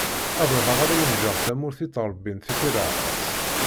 Ad ruḥeγ ad awen-ğğeγ tamurt i yettrebbin tifireԑqas.